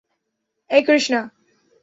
এই, কৃষ্ণা!